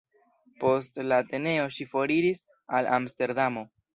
Post la Ateneo ŝi foriris al Amsterdamo.